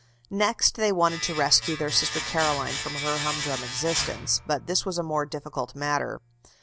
Next they wanted to rescue their sister Caroline from her humdrum existence, but this was a more difficult matter.